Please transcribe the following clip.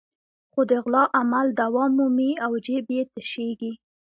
خو د غلا عمل دوام مومي او جېب یې تشېږي.